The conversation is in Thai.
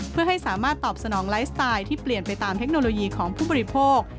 เพื่อให้สามารถตอบสนองไลฟ์สไตล์ที่เปลี่ยนไปตามเทคโนโลยีของผู้บริโภค